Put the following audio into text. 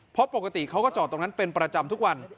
เพราะปกติเขาก็จอดตรงนั้นเป็นประจำทุกวัน